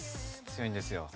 強いんですよ。